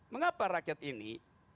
mengapa rakyat ini